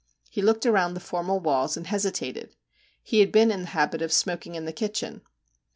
He looked around the formal walls and hesi tated. He had been in the habit of smoking in the kitchen.